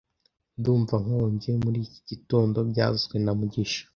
Ndumva nkonje muri iki gitondo byavuzwe na mugisha